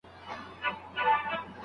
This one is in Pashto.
شاګرد وپوښتل چي کوم ماخذونه ډېر باوري دي.